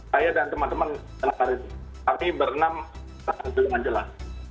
saya dan teman teman kami berenam tak ada yang jelas